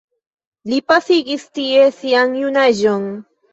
Li pasigis tie sian junaĝon.